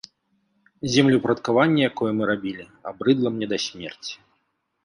Землеўпарадкаванне, якое мы рабілі, абрыдла мне да смерці.